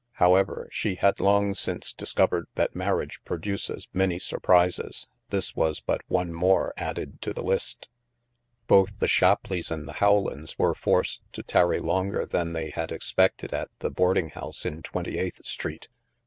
However, she had long since discovered that mar riage produces many surprises. This was but one more added to the list. Both the Shapleighs and the Howlands were forced to tarry longer than they had expected at the boarding house in Twenty eighth Street.